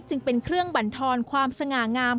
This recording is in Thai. จึงเป็นเครื่องบรรทอนความสง่างาม